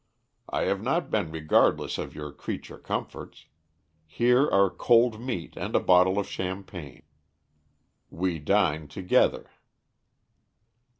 I have not been regardless of your creature comforts. Here are cold meat and a bottle of champagne. We dine together."